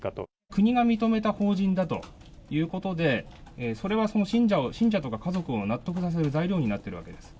国が認めた法人だということで、それはその信者とか家族を納得させる材料になってるわけです。